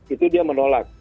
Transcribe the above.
itu dia menolak